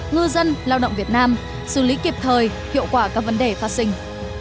ngư dân lao động việt nam xử lý kịp thời hiệu quả các vấn đề phát sinh